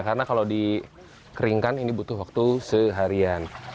karena kalau dikeringkan ini butuh waktu seharian